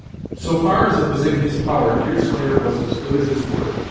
So far as it was in his power, Deerslayer was as good as his word.